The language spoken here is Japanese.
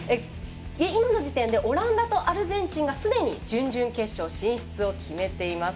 今の時点でオランダとアルゼンチンがすでに準々決勝進出を決めています。